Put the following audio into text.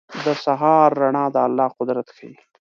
• د سهار رڼا د الله قدرت ښيي.